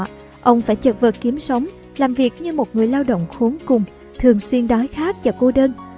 trước đó ông phải chật vật kiếm sống làm việc như một người lao động khốn cùng thường xuyên đói khát và cô đơn